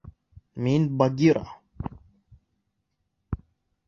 Мин — Багира!